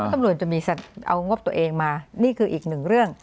ตำรวจจะมีเอางบตัวเองมานี่คืออีกหนึ่งเรื่อง